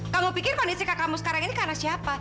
kamu pikir kondisi kakakmu sekarang ini karena siapa